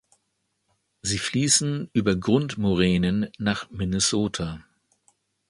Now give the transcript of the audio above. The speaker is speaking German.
Sie fließen über Grundmoränen nach Minnesota.